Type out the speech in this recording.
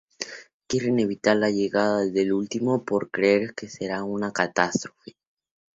Quieren evitar la llegada del último por creer que será una catástrofe.